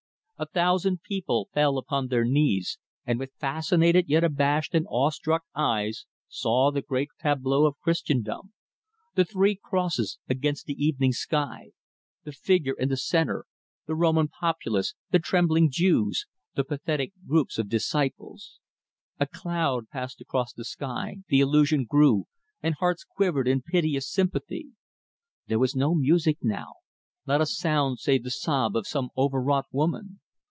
A thousand people fell upon their knees, and with fascinated yet abashed and awe struck eyes saw the great tableau of Christendom: the three crosses against the evening sky, the Figure in the centre, the Roman populace, the trembling Jews, the pathetic groups of disciples. A cloud passed across the sky, the illusion grew, and hearts quivered in piteous sympathy. There was no music now not a sound save the sob of some overwrought woman.